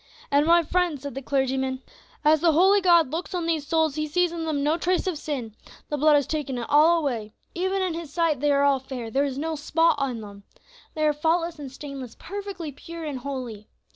"And, my friends," said the clergyman, "as the holy God looks on these souls He sees in them no trace of sin, the blood has taken it all away; even in His sight they are all fair, there is no spot in them. They are faultless and stainless, perfectly pure and holy.